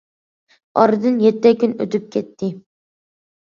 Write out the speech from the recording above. ئارىدىن يەتتە كۈن ئۆتۈپ كەتتى.